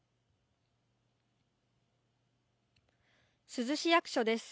珠洲市役所です。